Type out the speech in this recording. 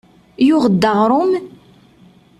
Yuɣ-d aɣrum?